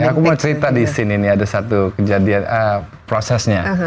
aku mau cerita di scene ini ada satu kejadian prosesnya